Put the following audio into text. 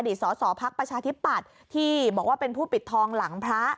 สอสอพักประชาธิปัตย์ที่บอกว่าเป็นผู้ปิดทองหลังพระ